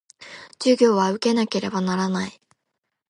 授業は受けなければならない